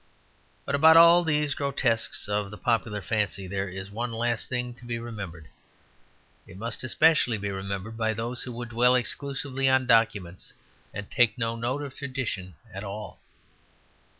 But about all these grotesques of the popular fancy there is one last thing to be remembered. It must especially be remembered by those who would dwell exclusively on documents, and take no note of tradition at all.